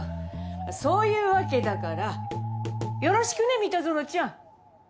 そういうわけだからよろしくね三田園ちゃん。